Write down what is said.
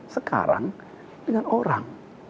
sekarang dengan orang